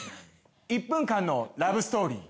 １分間のラブストーリー。